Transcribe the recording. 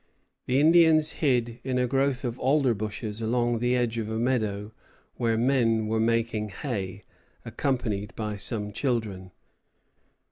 The Indians hid in a growth of alder bushes along the edge of a meadow where men were making hay, accompanied by some children.